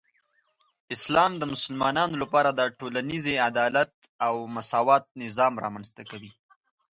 اسلام د مسلمانانو لپاره د ټولنیزې عدالت او مساوات نظام رامنځته کوي.